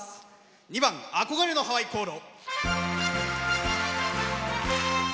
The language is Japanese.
２番「憧れのハワイ航路」。